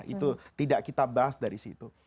itu tidak kita bahas dari situ